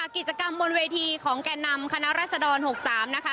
กิจกรรมบนเวทีของแก่นำคณะรัศดร๖๓นะคะ